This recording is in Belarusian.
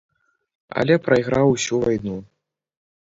Але прайграў усю вайну.